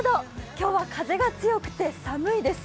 今日は風が強くて寒いです。